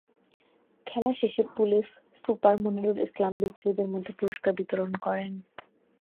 খেলা শেষে police super Monirul Islam বিজয়ীদের মধ্যে পুরস্কার বিতরণ করেন।